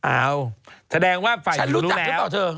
อ้าวแสดงว่าฝ่ายสาวแมวรู้แล้ว